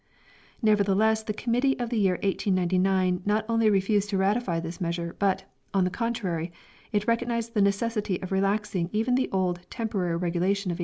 Nevertheless, the committee of the year 1899 not only refused to ratify this measure, but, on the contrary, it recognised the necessity of relaxing even the old Temporary Regulation of 1882.